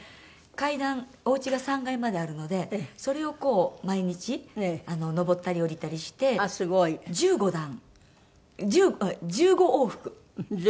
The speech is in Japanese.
階段おうちが３階まであるのでそれをこう毎日上ったり下りたりして１５段１５往復。